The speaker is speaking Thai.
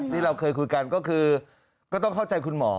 ที่เราเคยคุยกันก็คือก็ต้องเข้าใจคุณหมอ